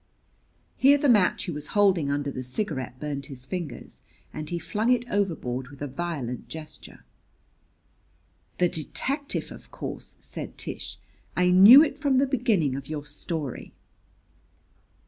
Here the match he was holding under the cigarette burned his fingers and he flung it overboard with a violent gesture. "The detective, of course," said Tish. "I knew it from the beginning of your story."